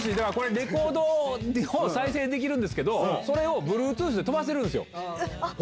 レコードを再生できるんですけど、それのＢｌｕｅｔｏｏｔｈで飛ばせるんですよ。